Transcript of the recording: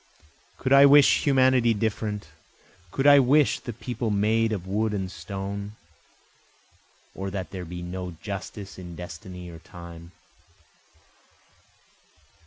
Could I wish humanity different? Could I wish the people made of wood and stone? Or that there be no justice in destiny or time?